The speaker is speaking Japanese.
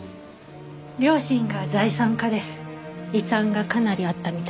両親が財産家で遺産がかなりあったみたいです。